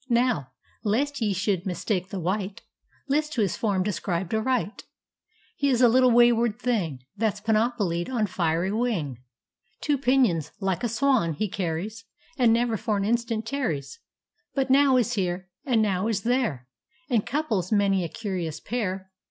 Now, lest ye should mistake the wight, List to his form described aright:He is a little wayward thingThat's panoplied on fiery wing; Two pinions, like a swan, he carries, And never for an instant tarries, But now is here, and now is there, And couples many a curious pair.